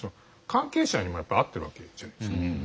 関係者にもやっぱり会ってるわけじゃないですか。